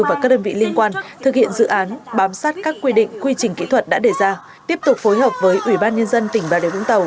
và các đơn vị liên quan thực hiện dự án bám sát các quy định quy trình kỹ thuật đã đề ra tiếp tục phối hợp với ubnd tỉnh bà điều vũng tàu